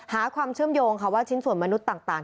หาความเชื่อมโยงค่ะว่าชิ้นส่วนมนุษย์ต่าง